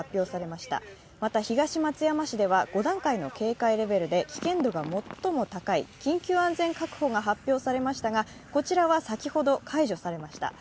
また東松山市では５段階の警戒レベルで、危険度が最も高い緊急安全確保が発表されましたがこちらは先ほど解除されました。